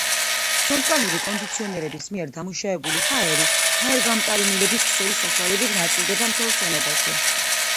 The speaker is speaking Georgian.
ცენტრალური კონდიციონერების მიერ დამუშავებული ჰაერი ჰაერგამტარი მილების ქსელის საშუალებით ნაწილდება მთელ შენობაში.